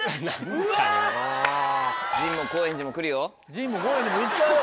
陣も高円寺も行っちゃうよ